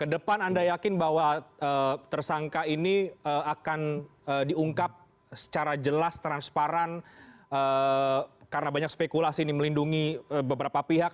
kedepan anda yakin bahwa tersangka ini akan diungkap secara jelas transparan karena banyak spekulasi ini melindungi beberapa pihak